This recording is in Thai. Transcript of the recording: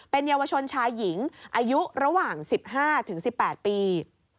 เป็นเยาวชนชายหญิงอายุระหว่าง๑๕๑๘ปี